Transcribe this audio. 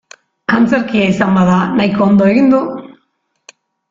Antzerkia izan bada nahiko ondo egin du.